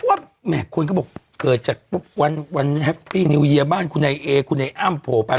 เพราะว่าแม่คุณก็บอกเกิดจากปุ๊บวันวันแฮปปี้นิวเยียร์บ้านคุณไอ้เอคุณไอ้อ้ามโผล่ไป